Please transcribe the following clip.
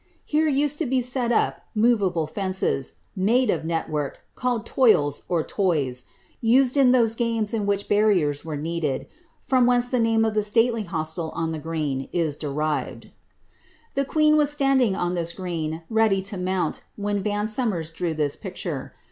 Here used to be set up movable fences, made of net work, called toils^ or toisj used in those games in which barriers were needed, from whence the name of the stately hostel on the green is derived. The queen was standing on tliis green, ready to mount, when Van Somers drew this picture.